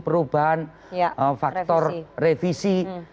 perubahan faktor revisi